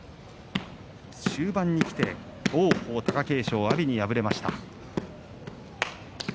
終盤にきて王鵬、貴景勝、阿炎に敗れました。